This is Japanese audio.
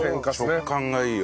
食感がいいよ。